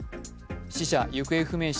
死者・行方不明者